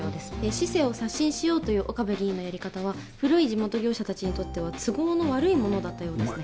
市政を刷新しようという岡部議員のやり方は古い地元業者達にとっては都合の悪いものだったようですね